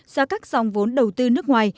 do các dòng vốn đầu tư nước ngoài